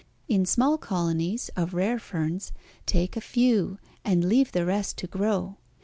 In small colonies of rare ferns take a few and leave the rest to grow.